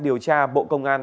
điều tra bộ công an